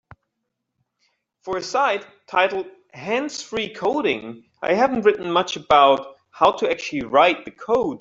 For a site titled Hands-Free Coding, I haven't written much about How To Actually Write The Code.